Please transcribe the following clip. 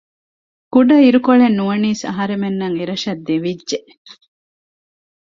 ކުޑައިރުކޮޅެއް ނުވަނީސް އަހަރުމެންނަށް އެ ރަށަށް ދެވިއްޖެ